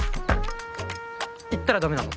行ったらダメなの？